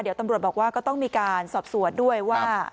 เดี๋ยวตำรวจบอกว่าก็ต้องมีการสอบสวนด้วยว่า